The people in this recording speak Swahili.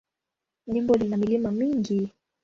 Jimbo lina milima mingi.